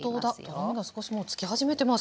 とろみが少しもうつき始めてます。